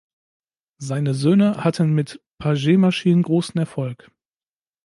Seine Söhne hatten mit Paget-Maschinen großen Erfolg.